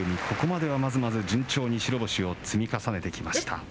ここまでは順調に白星を積み重ねてきました。